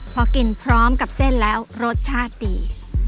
พอกินพร้อมกับเส้นแล้วรสชาติดี